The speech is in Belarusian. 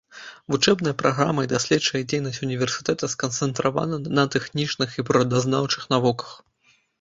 Вучэбная праграма і даследчая дзейнасць універсітэта сканцэнтравана на тэхнічных і прыродазнаўчых навуках.